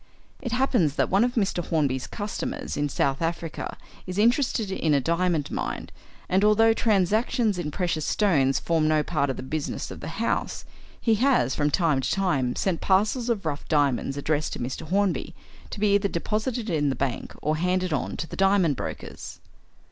It happens that one of Mr. Hornby's customers in South Africa is interested in a diamond mine, and, although transactions in precious stones form no part of the business of the house, he has, from time to time, sent parcels of rough diamonds addressed to Mr. Hornby, to be either deposited in the bank or handed on to the diamond brokers.